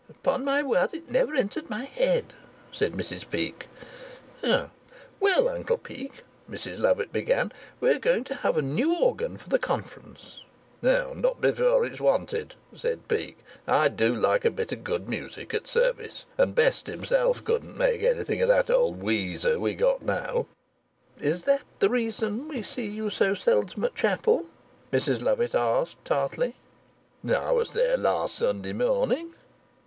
"Upon my word it never entered my head," said Mrs Peake. "Well, Uncle Peake," Mrs Lovatt began, "we're going to have a new organ for the Conference." "Not before it's wanted," said Peake. "I do like a bit of good music at service, and Best himself couldn't make anything of that old wheezer we've got now." "Is that the reason we see you so seldom at chapel?" Mrs Lovatt asked tartly. "I was there last Sunday morning."